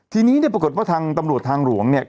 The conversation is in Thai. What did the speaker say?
ทีนี้เนี่ยปรากฏว่าทางตำรวจทางหลวงเนี่ย